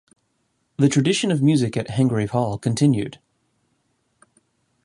The tradition of music at Hengrave Hall continued.